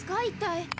いったい。